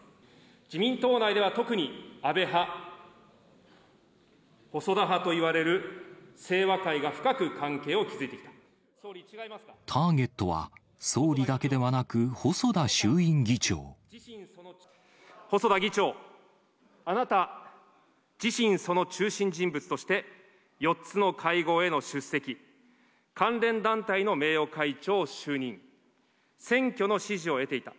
自民党内では特に安倍派、細田派といわれる清和会が深く関係を築ターゲットは、総理だけではなく、細田議長、あなた自身、その中心人物として４つの会合への出席、関連団体の名誉会長就任、選挙の支持を得ていた。